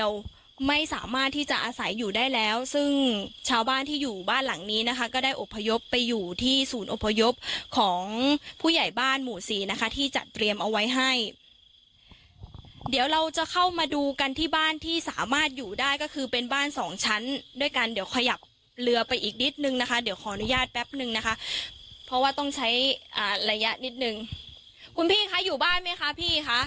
เราไม่สามารถที่จะอาศัยอยู่ได้แล้วซึ่งชาวบ้านที่อยู่บ้านหลังนี้นะคะก็ได้อบพยพไปอยู่ที่ศูนย์อพยพของผู้ใหญ่บ้านหมู่สี่นะคะที่จัดเตรียมเอาไว้ให้เดี๋ยวเราจะเข้ามาดูกันที่บ้านที่สามารถอยู่ได้ก็คือเป็นบ้านสองชั้นด้วยกันเดี๋ยวขยับเรือไปอีกนิดนึงนะคะเดี๋ยวขออนุญาตแป๊บนึงนะคะเพราะว่าต้องใช้ระยะนิดนึงคุณพี่คะอยู่บ้านไหมคะพี่คะ